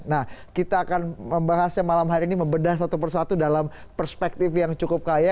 nah kita akan membahasnya malam hari ini membedah satu persatu dalam perspektif yang cukup kaya